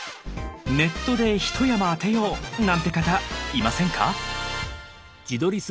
ネットで一山当てよう！なんて方いませんか？